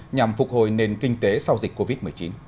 nhằm phục hồi nền kinh tế sau dịch covid một mươi chín